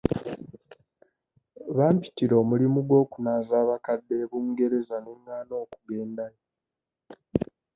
Bampitira omulimu gw'okunaaza abakadde e Bungereza ne ngaana okugendayo.